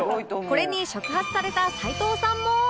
これに触発された齊藤さんも